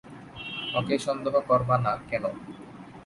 ওকে সন্দেহ করব না কেন?